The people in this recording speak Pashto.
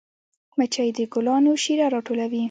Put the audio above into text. مچۍ د ګلانو شیره راټولوي